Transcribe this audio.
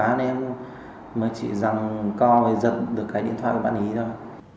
nên em mới chỉ rằng coi dật được cái điện thoại của bạn ấy thôi